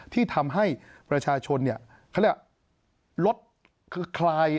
ที่ทำให้ประชาชนเขาเรียกว่าลดคลาย